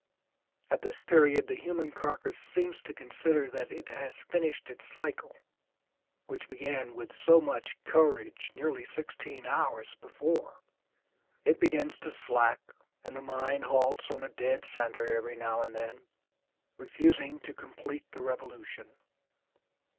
At this period the human carcass seems to consider that it has finished its cycle, which began with so much courage nearly sixteen hours before. It begins to slack and the mind halts on a dead centre every now and then, refusing to complete the revolution.